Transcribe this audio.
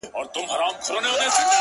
• جنازې مو پر اوږو د ورځو ګرځي ,